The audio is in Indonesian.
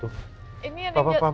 aku bekerja sama mas